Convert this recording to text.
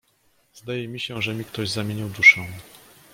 "Zdaje mi się, że mi ktoś zamienił duszę!“..."